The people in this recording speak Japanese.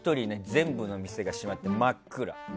全部の店が閉まって、真っ暗。